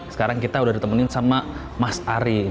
sekarang kita udah ditemenin sama mas ari